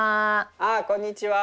あっこんにちは。